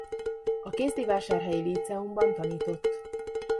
A kézdivásárhelyi líceumban tanított.